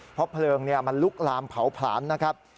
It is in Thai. เพราะเพลิงมันลุกลามเผาผลาญนะครับ